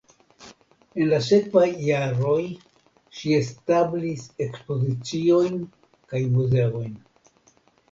En la sekvaj jaroj ŝi establis ekspoziciojn kaj muzeojn.